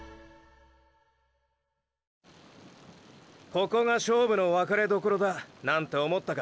ここが勝負の分かれどころだなんて思ったか。